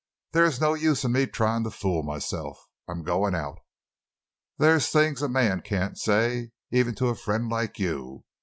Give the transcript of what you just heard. There is no use in me trying to fool myself. I'm going out. There's things a man can't say, even to a friend like you.